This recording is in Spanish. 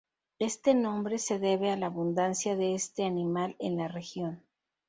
Este nombre se debe a la abundancia de este animal en la región.